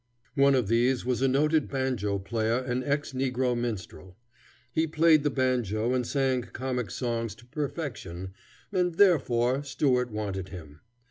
One of these was a noted banjo player and ex negro minstrel. He played the banjo and sang comic songs to perfection, and therefore Stuart wanted him.